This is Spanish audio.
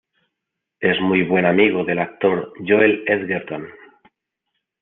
Es muy buen amigo del actor Joel Edgerton.